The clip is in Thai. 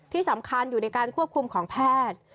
ที่สำคัญอยู่ในการควบคุมของแพทย์